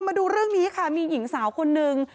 มาดูเรื่องนี้ค่ะมีหญิงสาวคนนึง